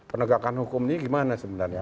penegakan hukum ini gimana sebenarnya